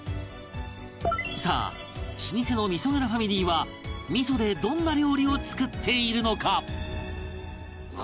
さあ老舗の味蔵ファミリーは味でどんな料理を作っているのか？